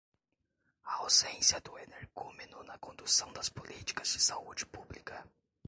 A ausência do energúmeno na condução das políticas de saúde pública